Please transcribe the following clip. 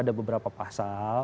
yang ke pasal